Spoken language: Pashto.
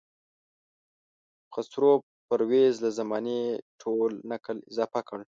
خسرو پرویز له زمانې ټول نکل اضافه کړ.